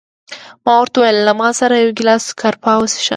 ما ورته وویل: له ما سره یو ګیلاس ګراپا وڅښه.